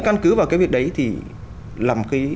căn cứ vào cái việc đấy thì làm cái